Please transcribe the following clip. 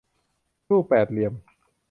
รูปแปดเหลี่ยม